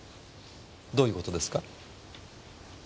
どういうことですか？